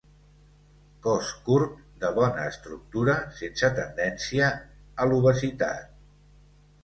Cos curt, de bona estructura, sense tendència a l'obesitat.